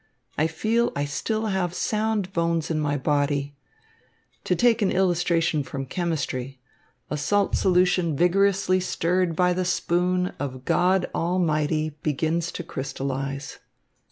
I feel I still have sound bones in my body. To take an illustration from chemistry. A salt solution vigorously stirred by the spoon of God Almighty begins to crystallise.